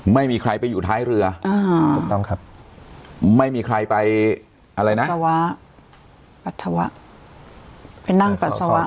ไม่มีใครไปอยู่ท้ายเรือไม่มีใครไปปัสสาวะไปนั่งปัสสาวะ